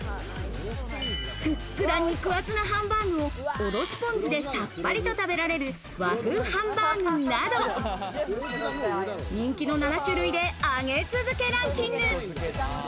ふっくら肉厚なハンバーグを、おろしぽん酢でさっぱりと食べられる和風ハンバーグなど、人気の７種類で上げ続けランキング。